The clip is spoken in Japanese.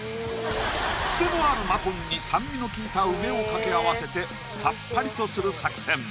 クセのあるマトンに酸味の効いた梅を掛け合わせてさっぱりとする作戦